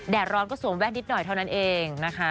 ร้อนก็สวมแว่นนิดหน่อยเท่านั้นเองนะคะ